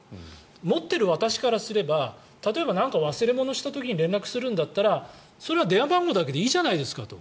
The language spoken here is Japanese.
持っている私からすれば例えば忘れ物をした時に連絡をするなら電話番号だけでいいじゃないですかと。